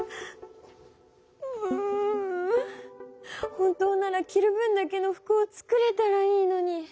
本当なら着る分だけの服を作れたらいいのに。